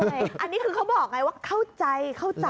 อันนี้คือเขาบอกไงว่าเข้าใจ